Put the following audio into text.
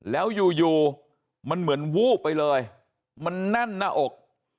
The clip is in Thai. แล้วอยู่อยู่มันเหมือนวูบไปเลยมันแน่นหน้าอก